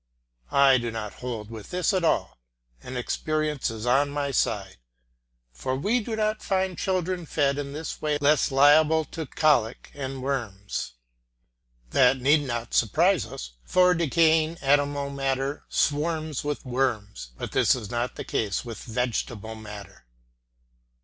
I do not hold with this at all, and experience is on my side, for we do not find children fed in this way less liable to colic and worms. That need not surprise us, for decaying animal matter swarms with worms, but this is not the case with vegetable matter.